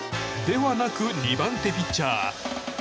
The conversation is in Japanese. ではなく、２番手ピッチャー。